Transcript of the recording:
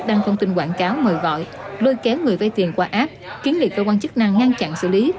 đăng thông tin quảng cáo mời gọi lôi kéo người vay tiền qua app kiến nghị cơ quan chức năng ngăn chặn xử lý